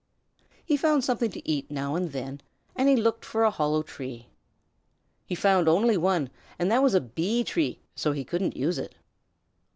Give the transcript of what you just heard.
He found something to eat now and then, and he looked for a hollow tree. He found only one, and that was a Bee tree, so he couldn't use it.